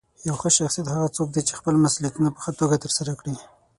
یو ښه شخصیت هغه څوک دی چې خپل مسؤلیتونه په ښه توګه ترسره کوي.